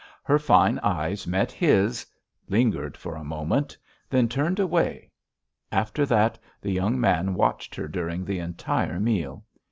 Her fine eyes met his, lingered for a moment, then turned away. After that the young man watched her during the entire meal.